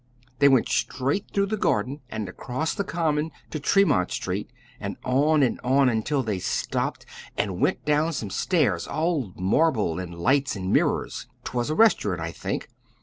They went straight through the Garden and across the Common to Tremont Street, and on and on until they stopped and went down some stairs, all marble and lights and mirrors. 'Twas a restaurant, I think.